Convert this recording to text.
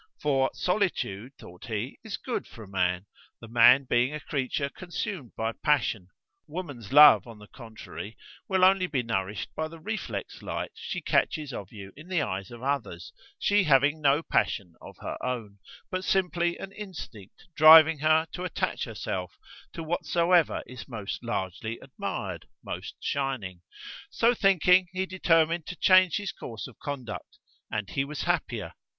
For solitude, thought he, is good for the man, the man being a creature consumed by passion; woman's love, on the contrary, will only be nourished by the reflex light she catches of you in the eyes of others, she having no passion of her own, but simply an instinct driving her to attach herself to whatsoever is most largely admired, most shining. So thinking, he determined to change his course of conduct, and he was happier.